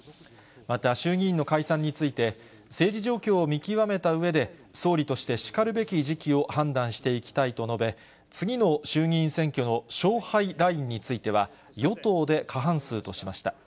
また、衆議院の解散について、政治状況を見極めたうえで、総理としてしかるべき時期を判断していきたいと述べ、次の衆議院選挙の勝敗ラインについては、与党で過半数としました。